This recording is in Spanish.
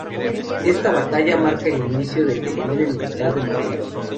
Esta batalla marca el inicio del declive militar de Morelos.